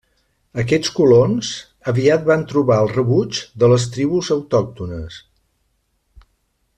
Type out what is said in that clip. Aquests colons aviat van trobar el rebuig de les tribus autòctones.